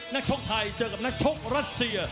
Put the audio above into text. ชกไทยเจอกับนักชกรัสเซีย